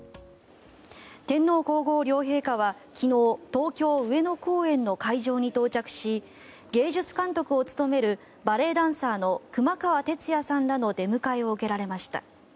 天皇・皇后両陛下は昨日東京・上野公園の会場に到着し芸術監督を務めるバレエダンサーの熊川哲也さんらの出迎えを受けられました。